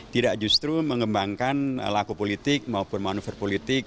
tidak justru mengembangkan laku politik maupun manuver politik